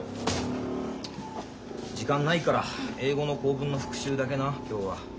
時間ないから英語の構文の復習だけな今日は。